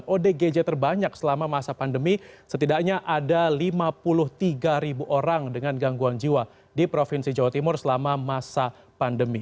dan odgj terbanyak selama masa pandemi setidaknya ada lima puluh tiga ribu orang dengan gangguan jiwa di provinsi jawa timur selama masa pandemi